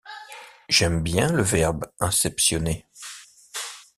J’aime bien le verbe « inceptionner ».